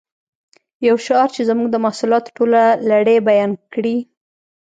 یو شعار چې زموږ د محصولاتو ټوله لړۍ بیان کړي